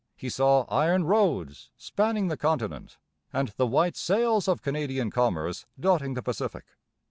He saw iron roads spanning the continent and the white sails of Canadian commerce dotting the Pacific.